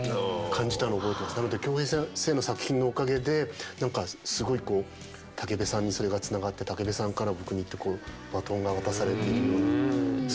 なので京平先生の作品のおかげで何かすごいこう武部さんにそれがつながって武部さんから僕にってバトンが渡されているようなすごい感慨深いです。